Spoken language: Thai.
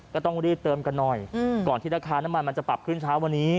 ก็ต้องรีบเติมกันหน่อยก่อนที่ราคาน้ำมันมันจะปรับขึ้นเช้าวันนี้